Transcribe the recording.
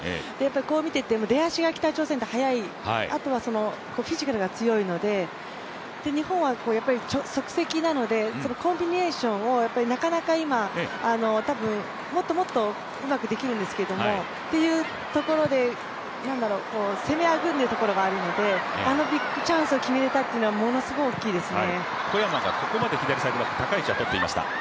こう見ていても出足が北朝鮮は速い、あとフィジカルが強いので日本は即席なので、コンビネーションをなかなか今、たぶんもっともっとうまくできるんですけれども、というところで攻めあぐねているところがあるのであのビッグチャンスを決めれたっていうのはものすごく大きいですね。